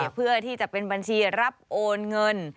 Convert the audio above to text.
เพื่อที่จะเป็นบัญชีรับโอนเงิน